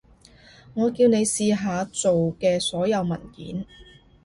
我叫你試下做嘅所有文件